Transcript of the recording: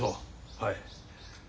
はい。